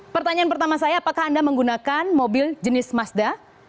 pertanyaan pertama saya apakah anda menggunakan mobil jenis mazda